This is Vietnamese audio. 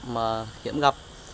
mà khiến gặp